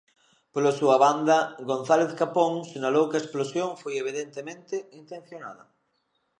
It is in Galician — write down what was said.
Pola súa banda, González Capón sinalou que a explosión foi "evidentemente" intencionada.